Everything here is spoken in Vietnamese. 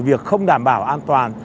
rồi việc không đảm bảo an toàn